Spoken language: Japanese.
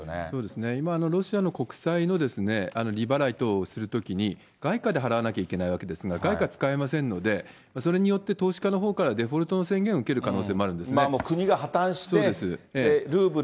そうですね、今、ロシアの国債の利払い等をするときに、外貨で払わなきゃいけないわけなんですが、外貨使えませんので、それによって投資家のほうからデフォルトの宣言を受けることもあ国が破綻して。